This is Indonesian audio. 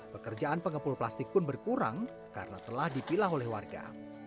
pekerjaan pengepul plastik pun berkurang karena telah dipilah oleh warga